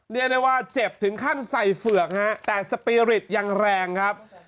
เรียกได้ว่าเจ็บถึงขั้นใส่เฝือกฮะแต่สปีริตยังแรงครับ